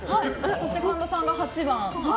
そして神田さんが８。